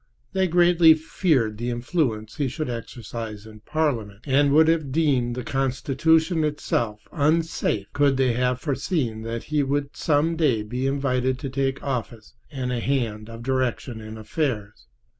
They greatly feared the influence he should exercise in Parliament, and would have deemed the constitution itself unsafe could they have foreseen that he would some day be invited to take office and a hand of direction in affairs.